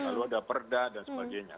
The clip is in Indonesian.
lalu ada perda dan sebagainya